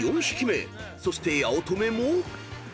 そして八乙女も］